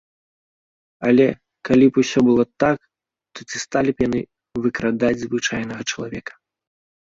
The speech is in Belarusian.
Але калі б усё было так, то ці сталі б яны выкрадаць звычайнага чалавека?